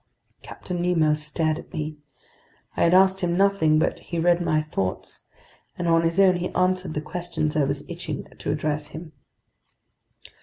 Captain Nemo stared at me. I had asked him nothing, but he read my thoughts, and on his own he answered the questions I was itching to address him.